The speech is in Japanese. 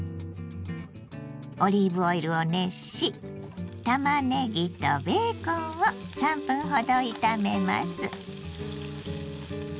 オリーブオイルを熱したまねぎとベーコンを３分ほど炒めます。